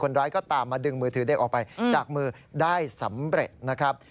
ร้ายก็ตามมาดึงมือถือเด็กออกไปจากมือได้สำเร็จนะครับ